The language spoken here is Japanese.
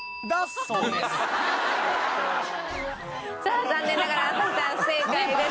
さあ残念ながら朝日さん不正解です。